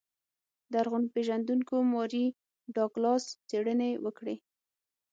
لرغون پېژندونکو ماري ډاګلاس څېړنې وکړې.